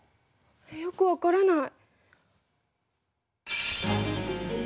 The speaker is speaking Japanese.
よく分からない。